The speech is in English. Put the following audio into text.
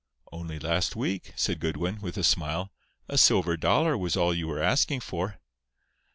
"Only last week," said Goodwin, with a smile, "a silver dollar was all you were asking for."